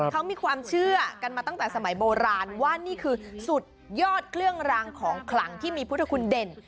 เขามีความเชื่อกันมาตั้งแต่สมัยโบราณว่านี่คือสุดยอดเครื่องรางของขลังที่มีพุทธคุณเด่น